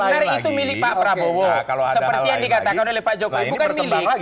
seperti yang dikatakan oleh pak jokowi bukan milik